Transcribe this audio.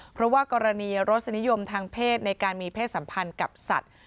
เพราะว่ากรณีรสนิยมทางเพศในการมีเพศสัมพันธ์กับสัตว์